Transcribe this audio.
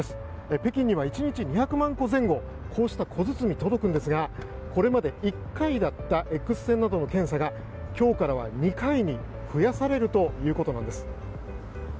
北京には１日２００万個前後こうした小包が届くんですがこれまで１回だったＸ線などの検査が今日からは２回に増やされるということです。